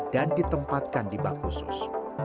dan ditempatkan di bak khusus